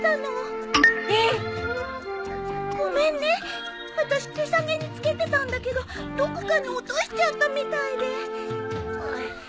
ごめんね私手提げに付けてたんだけどどこかに落としちゃったみたいで。